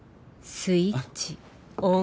スイッチ、オン。